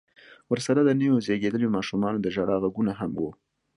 ورسره د نويو زيږېدليو ماشومانو د ژړا غږونه هم و.